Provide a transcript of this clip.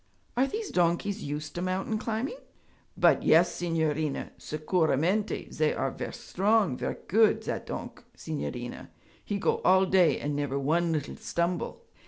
'Are these donkeys used to mountain climbing?' 'But yes, signorina! Sicuramente. Zay are ver' strong, ver' good. Zat donk', signorina, he go all day and never one little stumble.'